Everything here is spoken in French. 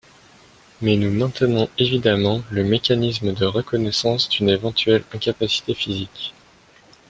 Mais nous maintenons évidemment le mécanisme de reconnaissance d’une éventuelle incapacité physique.